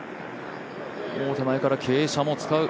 手前から、傾斜も使う？